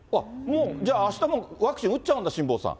じゃあ、あしたもうワクチン打っちゃうんだ、辛坊さん。